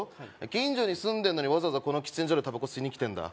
近所に住んでんのにわざわざこの喫煙所でタバコ吸いにきてんだ